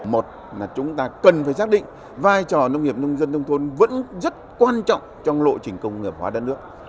một là chúng ta cần phải xác định vai trò nông nghiệp nông dân nông thôn vẫn rất quan trọng trong lộ trình công nghiệp hóa đất nước